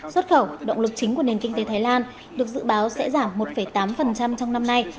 xuất khẩu động lực chính của nền kinh tế thái lan được dự báo sẽ giảm một tám trong năm nay